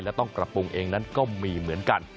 และต้องกระปรุงเองนั้นก็มีเหมือนกัน